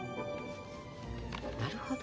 なるほど。